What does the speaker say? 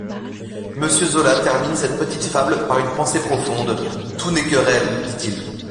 Monsieur Zola termine cette petite fable par une pensée profonde : «Tout n'est que rêve», dit-il.